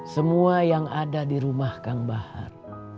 semua yang ada di rumah kang bahar